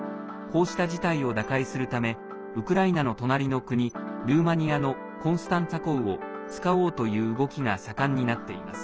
こうした事態を打開するためウクライナの隣の国ルーマニアのコンスタンツァ港を使おうという動きが盛んになっています。